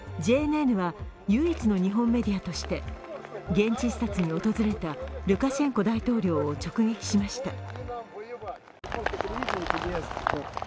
ＪＮＮは、唯一の日本メディアとして現地視察に訪れたルカシェンコ大統領を直撃しました。